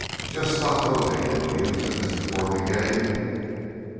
"Jest stop rotating, will you," said Mr. Fotheringay.